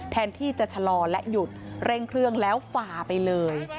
แทนที่จะชะลอและหยุดเร่งเครื่องแล้วฝ่าไปเลย